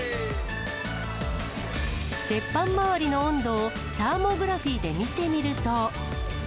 鉄板周りの温度をサーモグラフィーで見てみると。